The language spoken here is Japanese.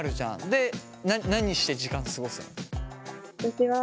で何して時間過ごすの？